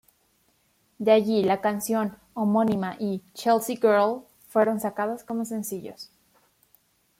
De allí la canción homónima y "Chelsea Girl" fueron sacadas como sencillos.